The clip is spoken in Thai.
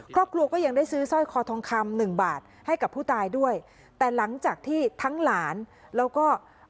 ก็ยังได้ซื้อสร้อยคอทองคำหนึ่งบาทให้กับผู้ตายด้วยแต่หลังจากที่ทั้งหลานแล้วก็